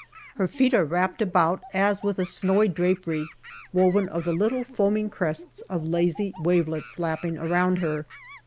Her feet are wrapt about as with a snowy drapery, woven of the little foaming crests of lazy wavelets lapping around her.